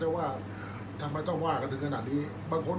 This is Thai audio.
อันไหนที่มันไม่จริงแล้วอาจารย์อยากพูด